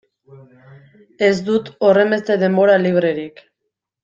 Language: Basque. Ez dut horrenbeste denbora librerik.